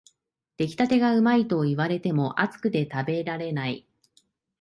出来たてがうまいと言われても、熱くて食べられない